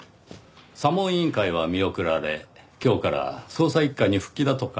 査問委員会は見送られ今日から捜査一課に復帰だとか。